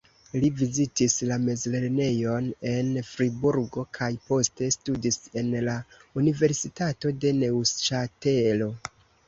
Li vizitis la mezlernejon en Friburgo kaj poste studis en la Universitato de Neŭŝatelo.